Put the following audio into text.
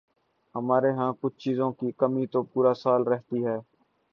ہمارے ہاں کچھ چیزوں کی کمی تو پورا سال رہتی ہے۔